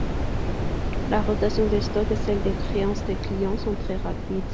La rotation des stocks et celle des créances des clients sont très rapides.